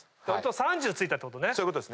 俺と３０ついたってことね。